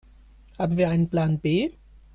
Haben wir einen Plan B?